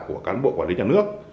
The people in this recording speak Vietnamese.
của cán bộ quản lý nhà nước